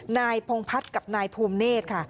นายพงพัฒน์กับนายภูมิเนธค่ะ